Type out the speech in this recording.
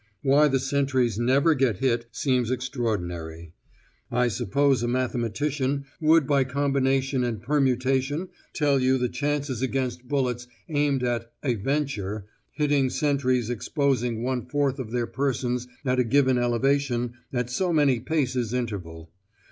Why the sentries never get hit seems extraordinary. I suppose a mathematician would by combination and permutation tell you the chances against bullets aimed 'at a venture' hitting sentries exposing one fourth of their persons at a given elevation at so many paces interval.